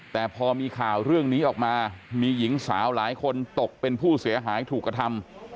แต่พอมีข่าวเรื่องนี้ออกมามีหญิงสาวหลายคนตกเป็นผู้เสียหายถูกกระทำ